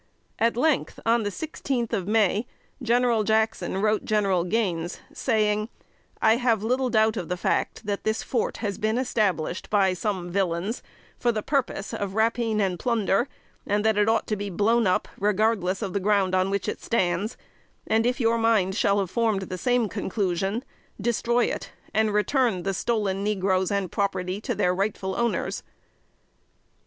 At length, on the sixteenth of May, General Jackson wrote General Gaines, saying, "I have little doubt of the fact, that this fort has been established by some villains for the purpose of rapine and plunder, and that it ought to be blown up, regardless of the ground on which it stands; and if your mind shall have formed the same conclusion, destroy it and return the stolen negroes and property to their rightful owners."